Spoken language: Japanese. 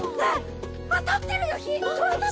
当たってるよ日！